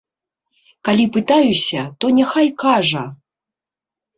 Калі пытаюся, то няхай кажа!